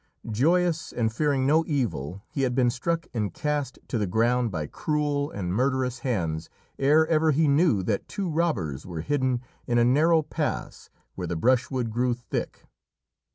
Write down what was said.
Joyous, and fearing no evil, he had been struck and cast to the ground by cruel and murderous hands ere ever he knew that two robbers were hidden in a narrow pass where the brushwood grew thick.